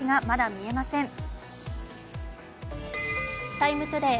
「ＴＩＭＥ，ＴＯＤＡＹ」